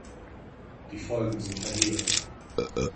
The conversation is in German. Die Folgen sind verheerend.